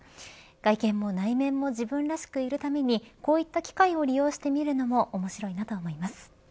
外見も内面も自分らしくいるためにこういった機会を利用してみるのも面白いなと思います。